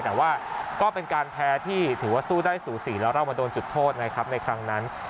แต่ว่าก็เป็นการแพ้ที่ถือว่าสู้ได้สูสีแล้วเรามาโดนจุดโทษนะครับในครั้งนั้น